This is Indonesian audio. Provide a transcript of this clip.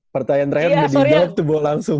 pertanyaan ryan udah dijawab tebuk langsung